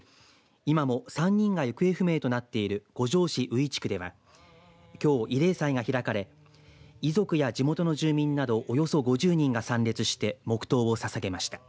今も３人が行方不明となっている五條市宇井地区ではきょう慰霊祭が開かれ遺族や地元の住民などおよそ５０人が参列して黙とうをささげました。